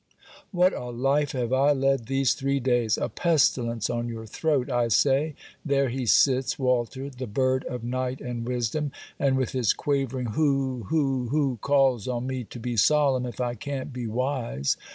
What a life have I led these three days! A pestilence on your throat, I say! There he sits, Walter, the bird of night and wisdom; and, with his quavering Hoo oo oo, calls on me to be solemn if I can't be wise.